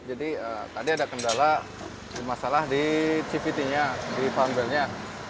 jadi tadi ada kendala masalah di cvt nya di fungernya